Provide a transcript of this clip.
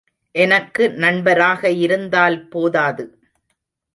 எனக்கு நண்பராக இருந்தால் போதாது.